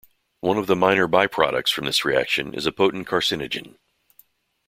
One of the minor by-products from this reaction is a potent carcinogen.